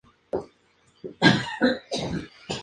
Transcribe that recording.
Se encuentran en África: afluentes kenianos del lago Victoria.